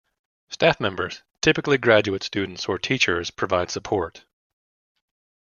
Staff members, typically graduate students or teachers, provide support.